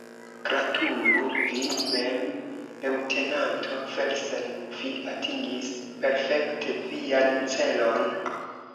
Gratulu vin mem, leŭtenanto Felsen, vi atingis perfekte vian celon!